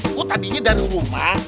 gue tadinya dari rumah